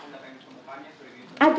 ada apa yang ditemukannya